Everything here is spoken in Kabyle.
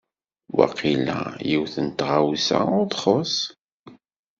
Waqila yiwet n tɣawsa ur txuṣṣ.